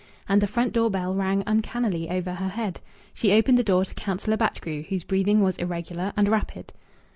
And the front door bell rang uncannily over her head. She opened the door to Councillor Batchgrew, whose breathing was irregular and rapid.